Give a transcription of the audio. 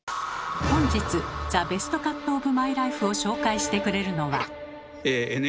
本日「ザ・ベストカットオブマイライフ」を紹介してくれるのは。